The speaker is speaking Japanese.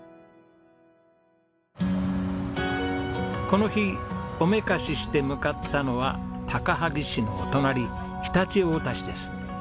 この日おめかしして向かったのは高萩市のお隣常陸太田市です。